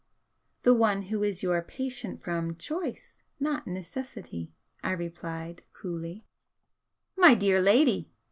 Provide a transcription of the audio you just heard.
"The one who is your patient from choice, not necessity," I replied, coolly. "My dear lady!"